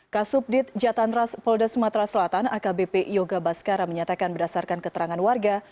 kasubdit jatan ras polda sumatera selatan akbp yoga baskara menyatakan berdasarkan keterangan warga